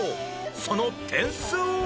その点数は？